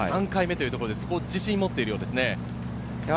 ３回目ということで、自信を持っているようですね。